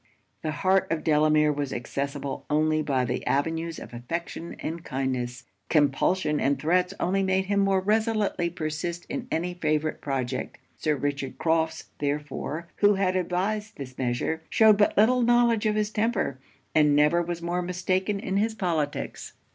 The heart of Delamere was accessible only by the avenues of affection and kindness; compulsion and threats only made him more resolutely persist in any favourite project. Sir Richard Crofts therefore, who had advised this measure, shewed but little knowledge of his temper, and never was more mistaken in his politics.